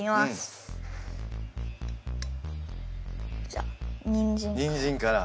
じゃあにんじんから。